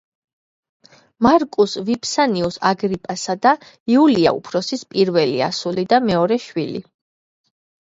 მარკუს ვიფსანიუს აგრიპასა და იულია უფროსის პირველი ასული და მეორე შვილი.